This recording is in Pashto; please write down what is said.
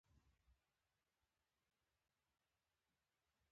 د بارهنګ تخم د معدې د سوزش لپاره وکاروئ